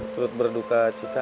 terut berduka cita